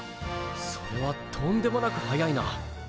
それはとんでもなく速いな！